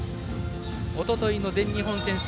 おとといの全日本予選